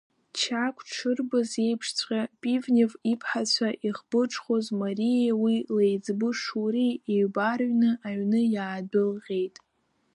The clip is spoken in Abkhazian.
Чагә дшырбаз еиԥшҵәҟьа, Пивнев иԥҳацәа ихбыџхоз Мариеи уи леиҵбы Шуреи еибарҩны аҩны иаадәылҟьеит.